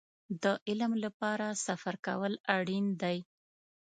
د علم لپاره سفر کول اړين دی.